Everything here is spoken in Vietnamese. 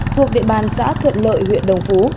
thuộc địa bàn xã thuận lợi huyện đồng phú